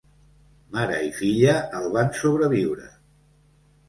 Mare i filla el van sobreviure.